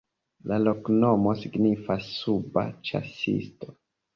La loknomo signifas: suba-ĉasisto.